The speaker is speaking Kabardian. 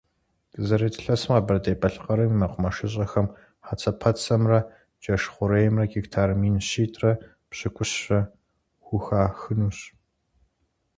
Дызэрыт илъэсым Къэбэрдей-Балъкъэрым и мэкъумэшыщӏэхэм хьэцэпэцэмрэ джэш хъуреймрэ гектар мин щитӏрэ пщыкӏущрэ хухахынущ.